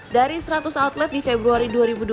dari seratus outlet di februari dua ribu dua puluh